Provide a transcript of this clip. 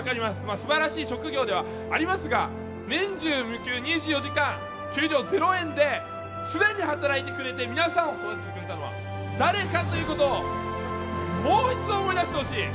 素晴らしい職業ではありますが年中無休２４時間給料０円で、常に働いてくれて皆さんを育ててくれたのは誰かということをもう一度思い出してほしい！